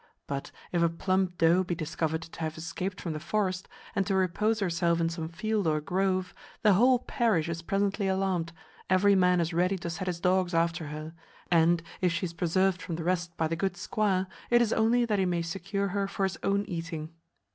But if a plump doe be discovered to have escaped from the forest, and to repose herself in some field or grove, the whole parish is presently alarmed, every man is ready to set his dogs after her; and, if she is preserved from the rest by the good squire, it is only that he may secure her for his own eating.